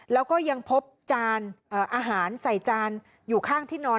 แล้วก็ยังพบจานอาหารใส่จานอยู่ข้างที่นอน